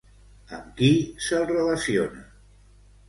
Amb qui se'l relaciona?